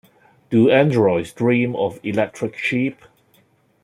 Do Androids Dream of Electric Sheep?